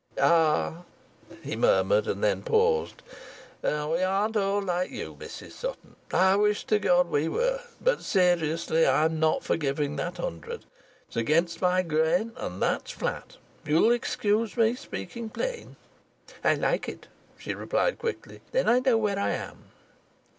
"Ah!" he murmured, and then paused. "We aren't all like you, Mrs Sutton. I wish to God we were. But seriously, I'm not for giving that hundred; it's against my grain, and that's flat you'll excuse me speaking plain." "I like it," she said quickly. "Then I know where I am."